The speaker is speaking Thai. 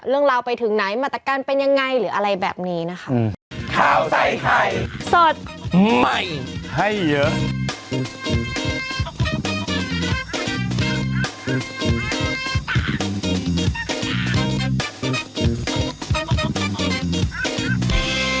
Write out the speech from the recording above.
เรื่องราวไปถึงไหนมาตรการเป็นยังไงหรืออะไรแบบนี้นะคะ